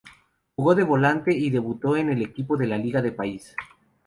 Jugó de volante y debutó en el Equipo de la liga de País.